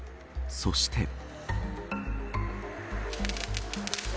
そして。